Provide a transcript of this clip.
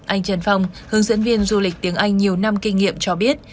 anh trần phong hướng dẫn viên du lịch tiếng anh nhiều năm kinh nghiệm cho biết